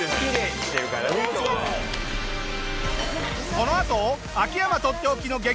このあと秋山とっておきの激